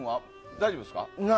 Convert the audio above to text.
大丈夫ですか？